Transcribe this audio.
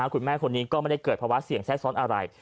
คุณแม่คนนี้ก็ไม่ได้เกิดภาวะเสี่ยงแทรกซ้อนอะไร